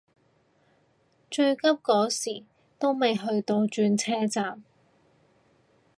最急嗰時都未去到轉車站